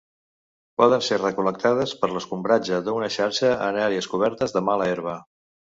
Poden ser recol·lectades per l'escombratge d'una xarxa en àrees cobertes de mala herba.